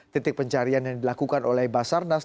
titik pencarian yang dilakukan oleh basarnas